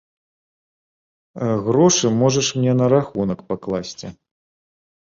Грошы можаш мне на рахунак пакласці.